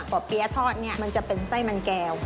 ่อเปี๊ยะทอดเนี่ยมันจะเป็นไส้มันแก้ว